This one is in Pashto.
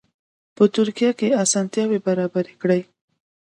په ترکیه کې اسانتیاوې برابرې کړي.